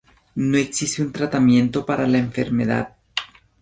No existe un tratamiento para la enfermedad.